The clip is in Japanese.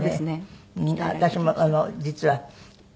私も実は。